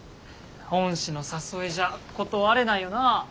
恩師の誘いじゃ断れないよな。